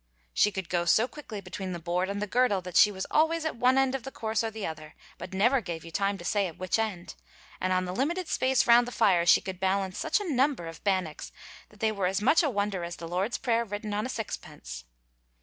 She could go so quickly between the board and the girdle that she was always at one end of the course or the other, but never gave you time to say at which end, and on the limited space round the fire she could balance such a number of bannocks that they were as much a wonder as the Lord's prayer written on a sixpence.